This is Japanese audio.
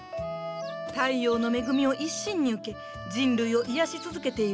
太陽の恵みを一身に受け人類を癒やし続けている葉っぱ。